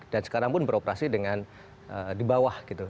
dan sekarang pun beroperasi dengan di bawah gitu